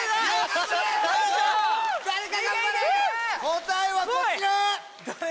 答えはこちら！